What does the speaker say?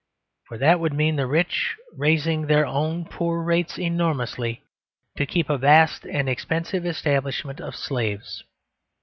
For that would mean the rich raising their own poor rates enormously to keep a vast and expensive establishment of slaves.